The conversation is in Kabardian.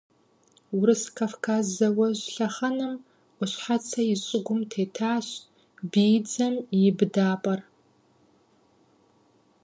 Урыс-Кавказ зауэжь лъэхъэнэм Ӏуащхьацэ и щыгум тетащ биидзэм и быдапӀэр.